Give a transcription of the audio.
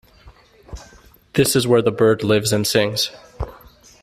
This is where the bird lives and sings.